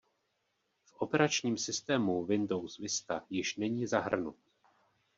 V operačním systému Windows Vista již není zahrnut.